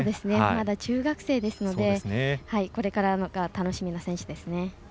まだ中学生ですのでこれからが楽しみな選手です。